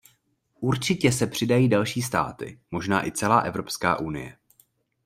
Určitě se přidají další státy, možná i celá Evropská unie.